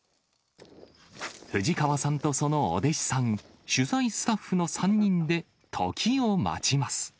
藤川さんとそのお弟子さん、取材スタッフの３人で時を待ちます。